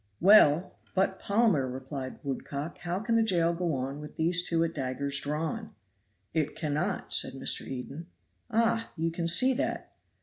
"Well, but, Palmer," replied Woodcock, "how can the jail go on with these two at daggers drawn?" "It cannot," said Mr. Eden. "Ah, you can see that."